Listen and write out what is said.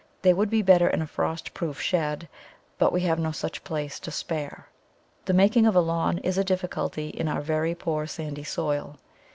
They would be better in a frost proof shed, but we have no such place to spare. The making of a lawn is a difficulty in our very poor sandy soil.